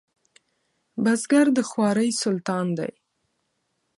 بزګر د خوارۍ سلطان دی